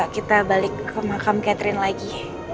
kita balik ke makam catherine lagi